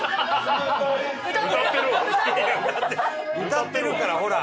歌ってるからほら。